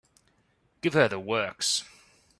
Give her the works.